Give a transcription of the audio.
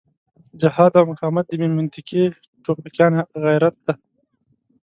جهاد او مقاومت د بې منطقې ټوپکيان غرت دی.